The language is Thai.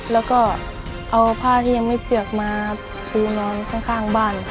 แล้วก็เอาผ้าที่ยังไม่เปลือกมาปูนอนข้างบ้าน